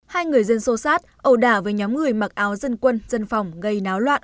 hai người dân sâu sát ẩu đả với nhóm người mặc áo dân quân dân phòng gây náo loạn